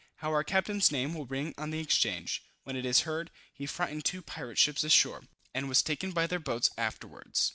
how our captain's name will ring on the exchange, when it is heard, he frightened two pirate ships ashore, and was taken by their two boats afterwards."